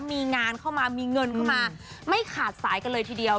มีงานเข้ามามีเงินเข้ามาไม่ขาดสายกันเลยทีเดียว